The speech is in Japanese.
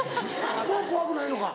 もう怖くないのか。